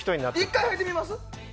１回、履いてみます？